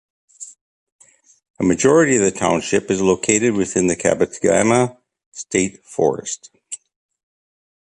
A majority of the township is located within the Kabetogama State Forest.